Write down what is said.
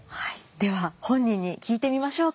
では本人に聞いてみましょうか。